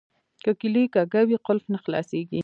که کیلي کږه وي قلف نه خلاصیږي.